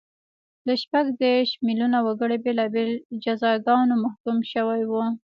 له شپږ دېرش میلیونه وګړي بېلابېلو جزاګانو محکوم شوي وو